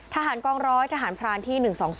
ทหารกองร้อยทหารพรานที่๑๒๒